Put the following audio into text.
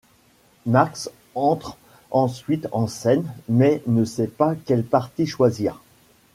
Max entre ensuite en scène, mais ne sait pas quel parti choisir.